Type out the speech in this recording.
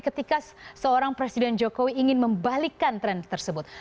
ketika seorang presiden jokowi ingin membalikkan tren tersebut